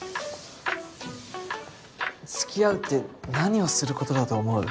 付き合うって何をすることだと思う？